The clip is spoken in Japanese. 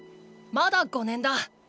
まだ５年だ！